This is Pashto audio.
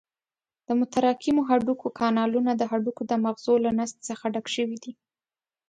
د متراکمو هډوکو کانالونه د هډوکو د مغزو له نسج څخه ډک شوي دي.